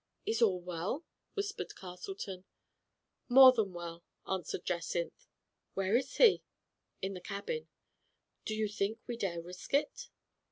"Is all well?" whispered Castleton. "More than well," answered Jacynth. "Where is he?" "In the cabin." "Do you think we dare risk it?"